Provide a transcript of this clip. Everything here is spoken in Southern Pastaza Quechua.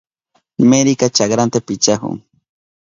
Meryka chakranta pichahun.